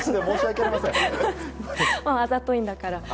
あざといんだから！